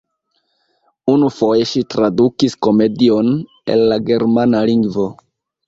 Unufoje ŝi tradukis komedion el la germana lingvo.